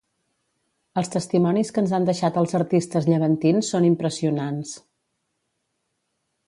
Els testimonis que ens han deixat els artistes llevantins són impressionants.